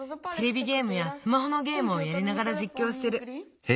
テレビゲームやスマホのゲームをやりながらじっきょうしてる。